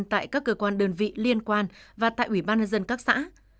tại các cơ quan đơn vị liên quan và tại ủy ban nhân dân các xã